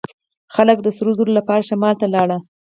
خلک د سرو زرو لپاره شمال ته لاړل.